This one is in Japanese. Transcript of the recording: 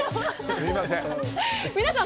すみません。